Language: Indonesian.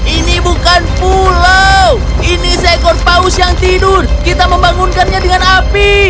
ini bukan pulau ini seekor paus yang tidur kita membangunkannya dengan api